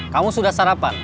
kamu sudah sarapan